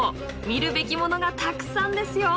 見るべきものがたくさんですよ！